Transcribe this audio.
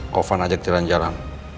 kau ofan ajak jalan jalan